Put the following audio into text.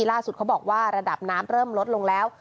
ล่าสุดเขาบอกว่าระดับน้ำเริ่มลดลงแล้ว